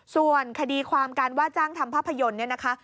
ส่วนคดีความการว่าจ้างทำภาพยนตร์เนี่ยนะคะ